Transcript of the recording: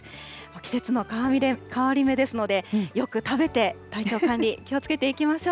季節の変わり目ですので、よく食べて、体調管理、気をつけていきましょう。